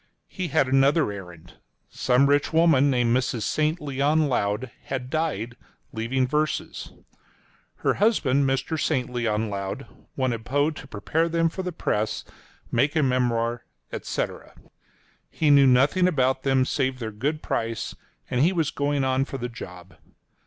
— He had another errand. Some rich woman, named Mrs. St. Leon Loud, had died, leaving verses. — Her husband, Mr. St. Leon Loud, wanted Poe to prepare them for the press, make a memoir, &c. He knew nothing about them save their good price, and he was going on for the job.